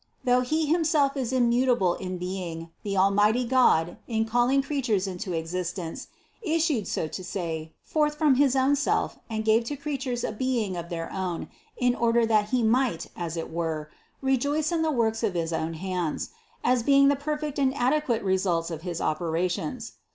Though He himself is im mutable in being, the almighty God, in calling creatures into existence, issued, so to say, forth from his own Self and gave to creatures a being of their own, in order that He might, as it were, rejoice in the works of his own 83 84 CITY OF GOD hands, as being the perfect and adequate results of his operations.